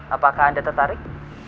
apakah anda tertarik